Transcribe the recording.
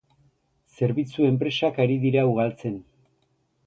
Zerbitzu enpresak ari dira ugaltzen